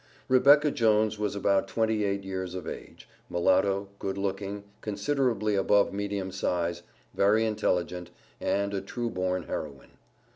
Rebecca Jones was about twenty eight years of age; mulatto, good looking, considerably above medium size, very intelligent, and a true born heroine.